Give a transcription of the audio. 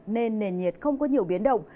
nên nền nhiệt không có nhiều biến động